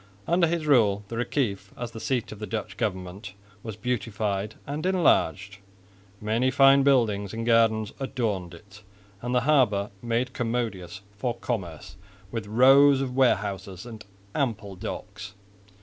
Under his rule the Reciff as the seat of the Dutch government was beautified and enlarged; many fine buildings and gardens adorned it, and the harbour made commodious for commerce with rows of warehouses and ample docks.